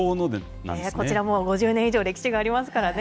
こちらもう５０年以上歴史がありますからね。